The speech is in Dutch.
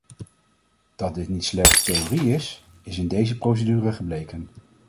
Dat dit niet slechts theorie is, is in deze procedure gebleken.